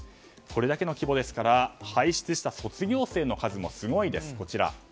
これだけの規模ですから輩出した卒業生の数もすごいです。